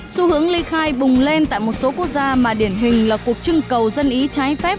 xu hướng ly khai bùng lên tại một số quốc gia mà điển hình là cuộc trưng cầu dân ý trái phép